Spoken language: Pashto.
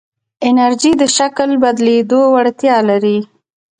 انرژی د شکل بدلېدو وړتیا لري.